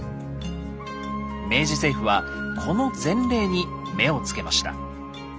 明治政府はこの前例に目をつけました。